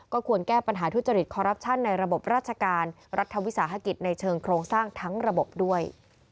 ควรแก้ปัญหาทุจริตคอรัปชั่นในระบบราชการรัฐวิสาหกิจในเชิงโครงสร้างทั้งระบบด้วย